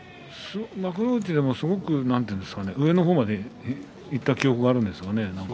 幕内でも、すごく上の方までいった記憶があるんですがね。